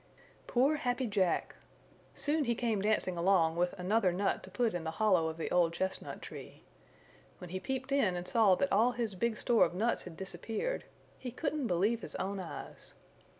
Poor Happy Jack! Soon he came dancing along with another nut to put in the hollow of the old chestnut tree. When he peeped in and saw that all his big store of nuts had disappeared, he couldn't believe his own eyes.